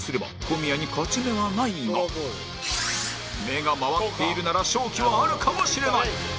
目が回っているなら勝機はあるかもしれない！